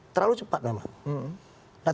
terlalu cepat namanya